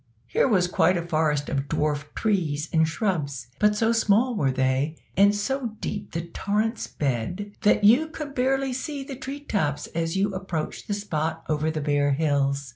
Here was quite a forest of dwarf trees and shrubs; but so small were they, and so deep the torrent's bed, that you could barely see the tree tops as you approached the spot over the bare hills.